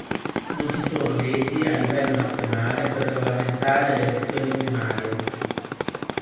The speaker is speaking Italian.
Non ci sono leggi a livello nazionale per regolamentare le elezioni primarie.